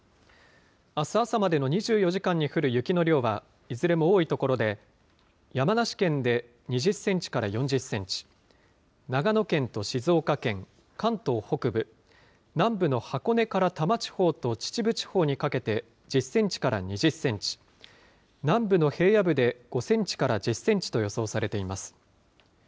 あす朝までの２４時間に降る雪の量は、いずれも多い所で、山梨県で２０センチから４０センチ、長野県と静岡県、関東北部、南部の箱根から多摩地方と秩父地方にかけて１０センチから２０センチ、南部の平野部で５センチから１０センチと予想されています。